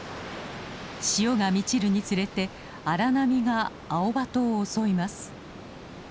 潮が満ちるにつれて荒波がアオバトを襲います。